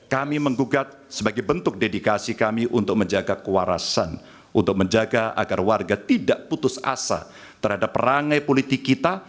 kami menggugat sebagai bentuk dedikasi kami untuk menjaga kewarasan untuk menjaga agar warga tidak putus asa terhadap perangai politik kita